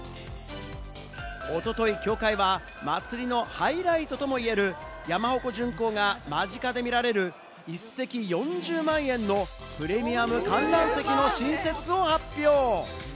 おととい協会は祭りのハイライトとも言える山鉾巡行が間近で見られる、１席４０万円のプレミアム観覧席の新設を発表。